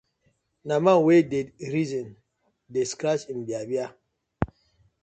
Na man wey dey reason dey scratch im bear-bear.